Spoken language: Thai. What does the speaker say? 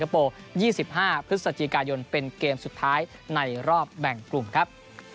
โปร๒๕พฤศจิกายนเป็นเกมสุดท้ายในรอบแบ่งกลุ่มครับ